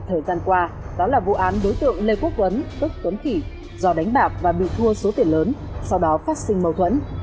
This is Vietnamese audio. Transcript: thời gian qua đó là vụ án đối tượng lê quốc tuấn tức tuấn khỉ do đánh bạc và bị thua số tiền lớn sau đó phát sinh mâu thuẫn